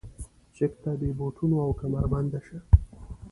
چک ته بې بوټونو او کمربنده شه.